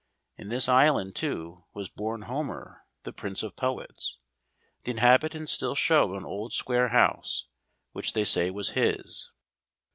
In this island, too, was born Homer, the prince of poets; the inhabitants still show an old square house, which they say was his.